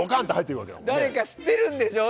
誰か知ってるんでしょ。